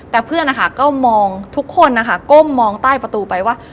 แต่เพื่อนก็มองทุกคนก้มมองใต้ประตูไปว่า